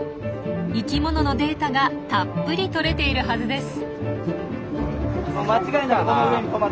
生きもののデータがたっぷりとれているはずです。